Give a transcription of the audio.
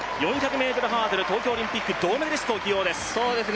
４００ｍハードル、東京オリンピック銅メダリストを起用です。